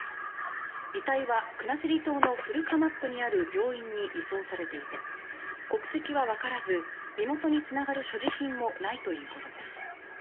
遺体は国後島の古釜布にある病院に移送されていて国籍はわからず身元につながる所持品もないということです。